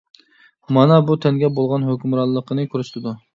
مانا بۇ تەنگە بولغان ھۆكۈمرانلىقىنى كۆرسىتىدۇ.